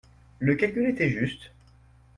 Le calcul était juste.